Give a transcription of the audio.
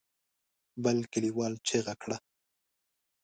بل کليوال چيغه کړه.